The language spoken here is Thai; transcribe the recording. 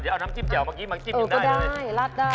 เอาน้ำจิ้มแย่มันกินได้เลย